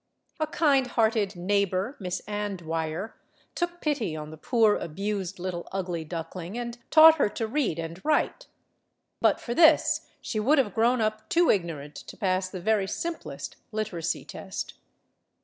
A kind hearted neighbor, Miss Anne Dwyer, took pity on the poor, abused little ugly duckling and taught her to read and write. But for this, she would have grown up too ignorant to pass the very simplest literacy test.